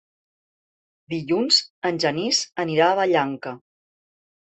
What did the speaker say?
Dilluns en Genís anirà a Vallanca.